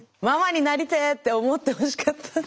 ママになりてえって思ってほしかった。